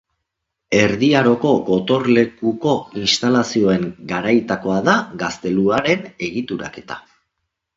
Erdi Aroko gotorlekuko instalazioen garaietakoa da gazteluaren egituraketa.